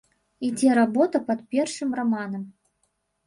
Ідзе работа пад першым раманам.